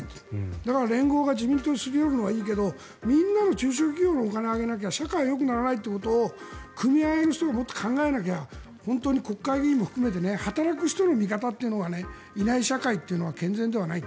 だから、連合が自民党にすり寄るのはいいけどみんなの中小企業のお金を上げないと社会はよくならないことを組合の人がもっと考えなきゃ本当に国会議員も含めて働く人の見方がいない社会は健全ではない。